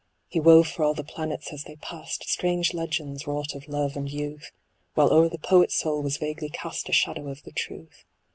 He wove for all the planets as they passed Strange legends, wrought of love and youth. While o'er the poet soul was vaguely cast A shadow of the truth.